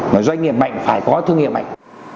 mà doanh nghiệp mạnh phải có thương nghiệp mạnh